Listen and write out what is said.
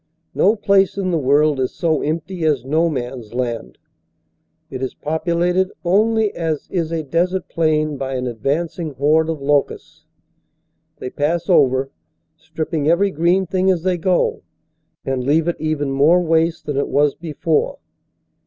No place in the world is so empty as No Man s Land. It is populated only as is a desert plain by an advancing horde of locusts. They pass over, stripping every green thing as they go, and leave it even more waste than it was before.